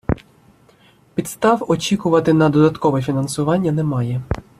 Підстав очікувати на додаткове фінансування немає.